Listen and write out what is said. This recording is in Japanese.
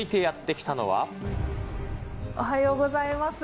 おはようございます。